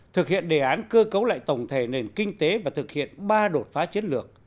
thực hiện đề án cơ cấu lại tổng thể nền kinh tế và thực hiện ba đột phá chiến lược